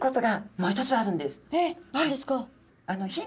何ですか？